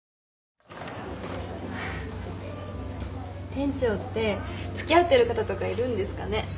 店長って付き合ってる方とかいるんですかね？